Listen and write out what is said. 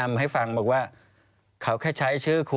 แล้วเขาสร้างเองว่าห้ามเข้าใกล้ลูก